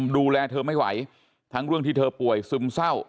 ดูแลเธอไม่ไหวทั้งเรื่องที่เธอป่วยซึมเศร้า